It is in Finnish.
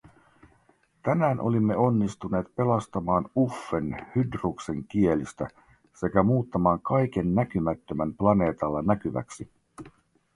Tänään olimme onnistuneet pelastamaan Uffen Hydruksen kielistä sekä muuttamaan kaiken näkymättömän planeetalla näkyväksi.